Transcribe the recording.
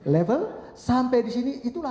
level sampai di sini itulah